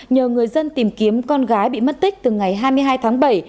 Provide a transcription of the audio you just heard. nhờ người dân tìm kiếm con gái bị mất tích từ ngày hai mươi hai tháng bảy